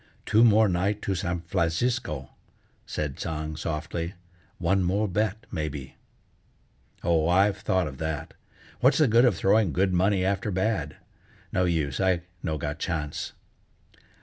"Two more night' to San Flancisco," said Tsang softly; "one more bet, maybe!" "Oh, I've thought of that. What's the good of throwing good money after bad? No use, I no got chance."